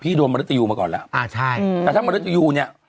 พี่โดนมริตยูมาก่อนแล้วอ่าใช่อืมแต่ถ้ามริตยูเนี้ย